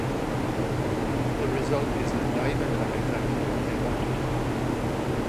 The result is that neither got exactly what they wanted.